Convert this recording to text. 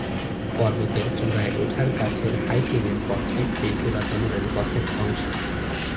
পর্বতের চূড়ায় ওঠার কাছের হাইকিং-এর পথটি এই পুরাতন রেলপথের অংশ।